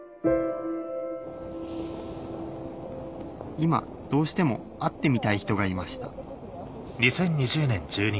今どうしても会ってみたい人がいました